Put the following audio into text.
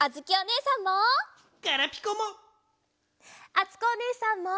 あつこおねえさんも！